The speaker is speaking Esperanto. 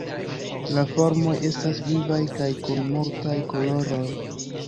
La formoj estas vivaj kaj kun multaj koloroj.